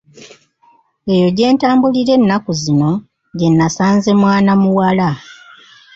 Eyo gye ntambulira ennaku zino gyenasanze mwana muwala.